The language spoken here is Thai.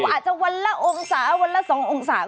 อาจจะวันละองศาวันละ๒องศา